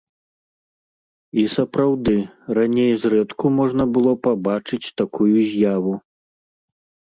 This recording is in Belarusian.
І сапраўды, раней зрэдку можна было пабачыць такую з'яву.